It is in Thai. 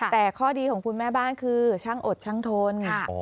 แต่ข้อดีของคุณแม่บ้านคือช่างอดช่างทนค่ะ